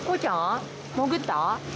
僕潜った。